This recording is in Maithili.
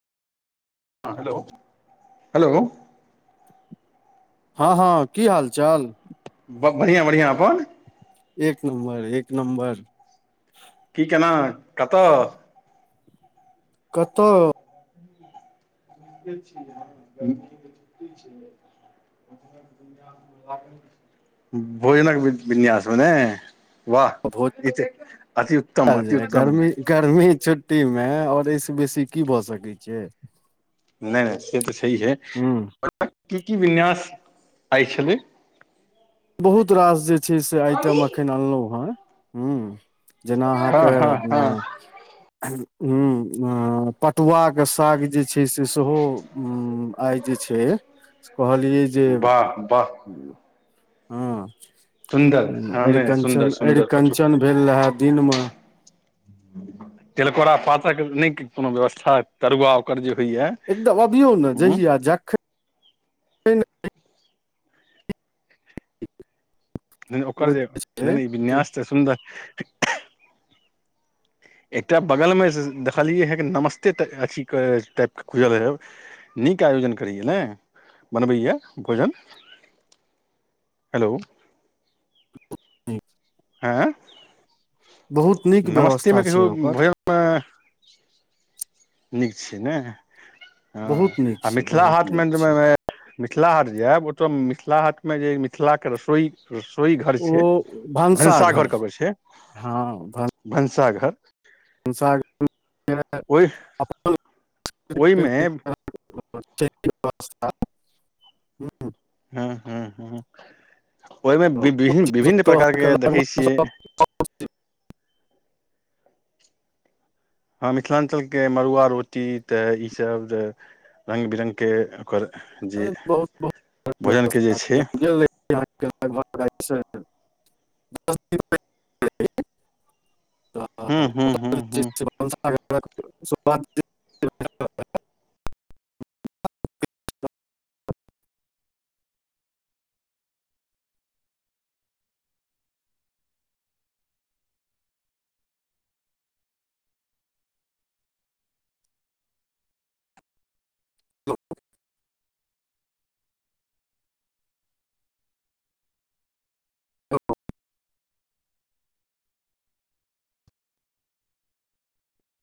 हँ हेलो हेलो हँ हँ की हालचाल बढ़िआ बढ़िआं अपन एक नमबर एक नम्बर की केना कतऽ कतौ भोजनक विन्यास में नै भोजनल अति जा उत्तम गर्मी गर्मी छु छुट्टी मे आओर एहिस बेसी की भऽ सकैत छै नई नई से तऽ छाईहे हुँ की की विन्यास आइ छलै बहुत रास जे छै से आइटम एखन अनलहुँ हेँ हू जेना हँ अहाँके हँ अ हँ ह पटुआ के साग जे छै से सेहो हूँ आइ जे छै से कहलियै जे वाह वाह सुन्दर हूँ हँ नहि सुन्दर अरिकंचन सुन्दर पटु अरिकंचन भेल रहाए दिनमे तिलकोर आ पातक नहि कोनो व्यवस्था तरुआ ओकर जे होइया एकदम अबियौ ने ह जहिय जखन नहि ओकर ओ जे नहि ई छै विन्यास तऽ सुन्दर [inaudible] एकटा बगलमे देखलियै हे कि नमस्तेटा अथीके टाइपके खुजल है नीक आयोजन करैए ने बनबैए भोजन हेलो हूँ आँय बहुत नीक व्यवस्था नमस्तेमे छै कहियौ ओकर भोजनमे नीक छी ने हाँ बहुत नीक आ छै मिथिला बहुत हाटमे नीक छै मे-म मिथिला हाट जाब ओतऽ मिथ - मिथिला हाटमे जे मिथिलाके रसोइ रसोई घर ओ छै भनसाघर कऽ कऽ छै भनसाघर [unintelligible] भंसा- ओहि ओहिमे [unintelligible] [unintelligible] [unintelligible] हूँ हूँ हूँ ओहिमे विभि-विभिन्न प्रकारके देखै छियै हाँ मिथिलाञ्चलके मड़ुआ रोटी तऽ ईसभ जे रंग- बिरंगके ओकर जे भोजनके जे छै [unintelligible] [unintelligible] हूँ हूँ हूँ हूँ [inaudible] [unintelligible] हेलो